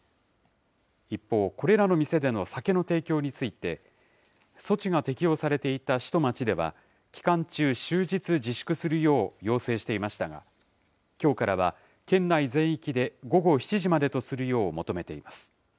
一方、これらの店での酒の提供について、措置が適用されていた市と町では、期間中、終日自粛するよう要請していましたが、きょうからは県内全域で午後７時までとするよう求めています。